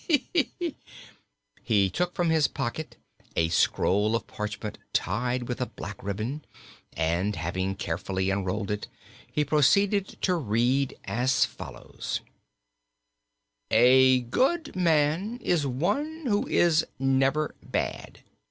He took from his pocket a scroll of parchment tied with a black ribbon, and having carefully unrolled it, he proceeded to read as follows: "'A Good Man is One who is Never Bad.'